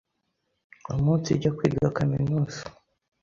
umunsijya kwiga kaminuza,